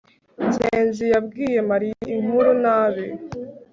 ngenzi yabwiye mariya inkuru nabi